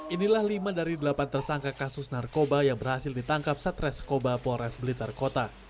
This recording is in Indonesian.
inilah lima dari delapan tersangka kasus narkoba yang berhasil ditangkap satreskoba polres blitar kota